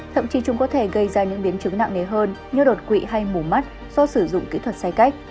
thậm chí chúng có thể gây ra những biến chứng nặng nề hơn như đột quỵ hay mù mắt do sử dụng kỹ thuật sai cách